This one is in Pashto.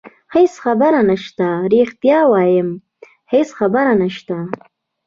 هېڅ خبره نشته، رښتیا وایم هېڅ خبره نشته.